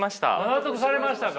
納得されましたか。